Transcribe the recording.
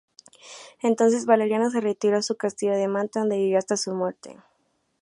Entonces Valeriano se retiró a su castillo de Manta, donde vivió hasta su muerte.